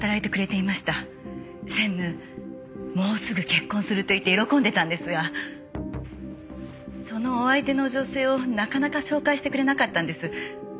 もうすぐ結婚すると言って喜んでたんですがそのお相手の女性をなかなか紹介してくれなかったんです。